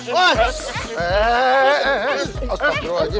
soalnya mau gini saya bawain makanan